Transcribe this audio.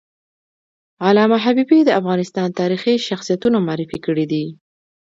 علامه حبیبي د افغانستان تاریخي شخصیتونه معرفي کړي دي.